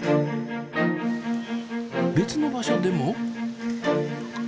別の場所でも。